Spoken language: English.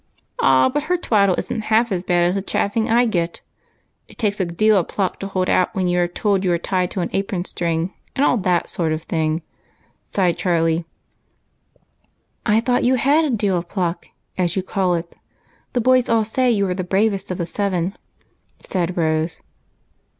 " Ah, but her twaddle is n't half as bad as the chaffing I get. It takes a deal of pluck to hold out when you are told you are tied to an apron string, and all that sort of thing," sighed Charlie. " I thought you had a ' deal of pluck,' as you call it. The boys all say you are the bravest of the seven,'* said Rose.